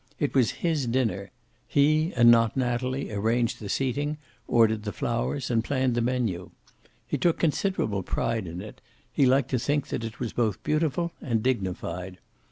It was his dinner. He, and not Natalie, arranged the seating, ordered the flowers, and planned the menu. He took considerable pride in it; he liked to think that it was both beautiful and dignified.